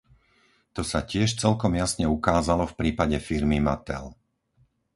To sa tiež celkom jasne ukázalo v prípade firmy Mattel.